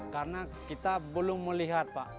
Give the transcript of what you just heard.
karena kita belum melihat pak